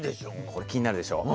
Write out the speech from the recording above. これ気になるでしょう？